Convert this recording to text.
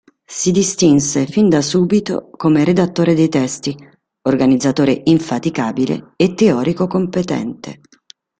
Si distinse fin da subito come redattore dei testi, organizzatore infaticabile e teorico competente.